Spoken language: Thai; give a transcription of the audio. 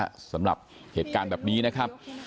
สำหรับเหตุการณ์แบบนี้นะครับ